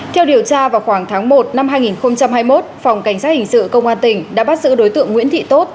theo điều tra vào khoảng tháng một năm hai nghìn hai mươi một phòng cảnh sát hình sự công an tỉnh đã bắt giữ đối tượng nguyễn thị tốt